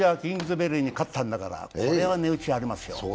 ベリーに勝ったんだから価値がありますよ。